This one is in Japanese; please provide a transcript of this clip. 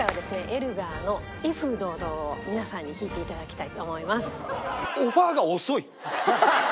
エルガーの『威風堂々』を皆さんに弾いて頂きたいと思います。